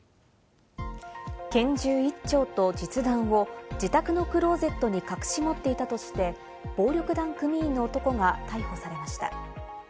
拳銃１丁と実弾を自宅のクローゼットに隠し持っていたとして、暴力団組員の男が逮捕されました。